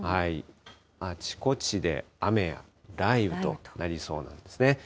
あちこちであめやらいうとなりそうなんですね。